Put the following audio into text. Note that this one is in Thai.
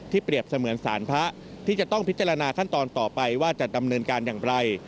เปรียบเสมือนสารพระที่จะต้องพิจารณาขั้นตอนต่อไปว่าจะดำเนินการอย่างไร